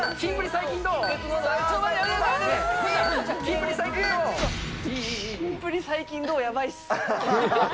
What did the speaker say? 最近どうはやばいっす。